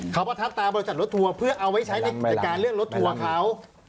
เขาประทับตาบริษัทรถทัวร์เพื่อเอาไว้ใช้ในการเลือกรถทัวร์เขา